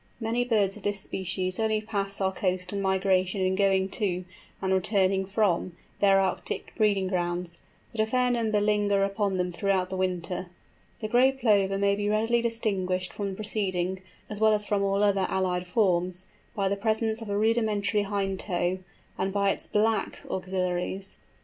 Many birds of this species only pass our coast on migration in going to, and returning from, their Arctic breeding grounds, but a fair number linger upon them throughout the winter. The Gray Plover may be readily distinguished from the preceding, as well as from all other allied forms, by the presence of a rudimentary hind toe, and by its black axillaries.